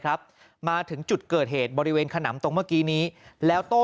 ครับมาถึงจุดเกิดเหตุบริเวณขนำตรงเมื่อกี้นี้แล้วโต้